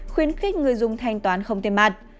khuyến khích người dùng thanh toán không thêm mặt